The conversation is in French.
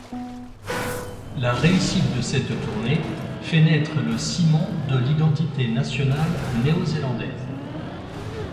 La réussite de cette tournée fait naître le ciment de l'identité nationale néo-zélandaise.